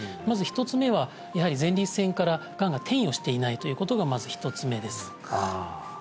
まず１つ目はやはり前立腺からがんが転移をしていないということがまず１つ目です